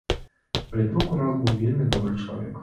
Палітрук у нас быў вельмі добры чалавек.